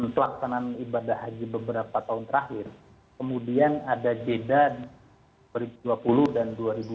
pelaksanaan ibadah haji beberapa tahun terakhir kemudian ada jeda dua ribu dua puluh dan dua ribu dua puluh